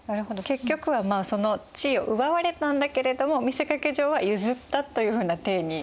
結局はその地位を奪われたんだけれども見せかけ上は譲ったというふうな体にしたわけなんですね。